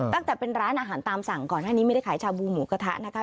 ตั้งแต่เป็นร้านอาหารตามสั่งก่อนหน้านี้ไม่ได้ขายชาบูหมูกระทะนะคะ